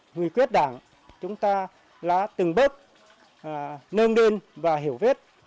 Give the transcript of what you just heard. người quyết đảng chúng ta là từng bước nâng đêm và hiểu vết